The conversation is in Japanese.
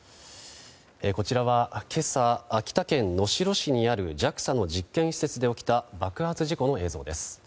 こちらは今朝秋田県能代市にあるＪＡＸＡの実験施設で起きた爆発事故の映像です。